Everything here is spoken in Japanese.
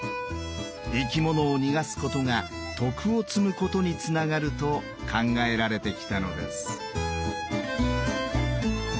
「生き物を逃がすことが徳を積むことにつながる」と考えられてきたのです。